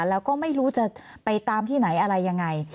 แล้วก็ไม่รู้จะไปตามที่ไหนอะไรยังไง